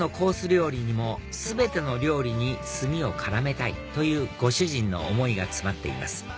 料理にも全ての料理に炭を絡めたいというご主人の思いが詰まっています